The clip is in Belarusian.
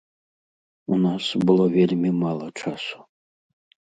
У нас было вельмі мала часу.